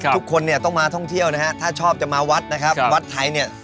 ทุกคนเนี่ยต้องมาท่องเที่ยวนะฮะถ้าชอบจะมาวัดนะครับวัดไทยเนี่ย